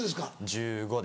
１５です。